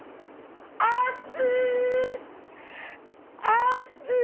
あっつう！